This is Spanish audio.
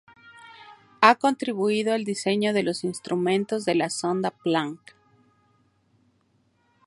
Ha contribuido al diseño de los instrumentos de la sonda Planck.